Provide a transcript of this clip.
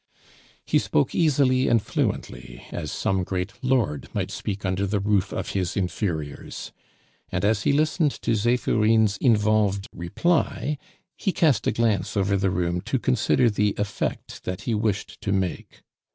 He spoke easily and fluently, as some great lord might speak under the roof of his inferiors; and as he listened to Zephirine's involved reply, he cast a glance over the room to consider the effect that he wished to make.